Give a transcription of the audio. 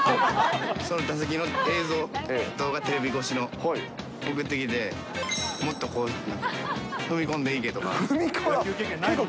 その打席の映像、動画、テレビ越しの送ってきて、もっと踏み込んでいけとか。